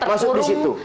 masuk di situ